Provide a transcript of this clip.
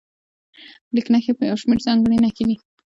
لیک نښې یو شمېر ځانګړې نښې دي.